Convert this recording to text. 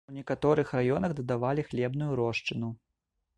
У некаторых раёнах дадавалі хлебную рошчыну.